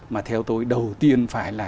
mà theo tôi đầu tiên phải là